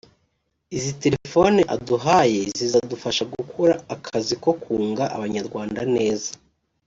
izi telefone aduhaye zizadufasha gukora akazi ko kunga Abanyarwanda neza